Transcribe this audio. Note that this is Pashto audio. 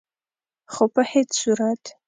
خو په هيڅ صورت